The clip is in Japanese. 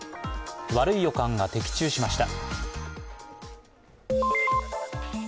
悪い予感が的中しました。